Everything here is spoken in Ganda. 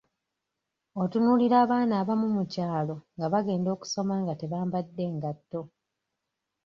Otunuulira abaana abamu mu kyalo nga bagenda okusoma nga tebambadde ngatto.